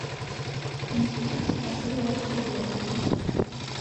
ინსტიტუტს ასევე აქვს ბიბლიოთეკა.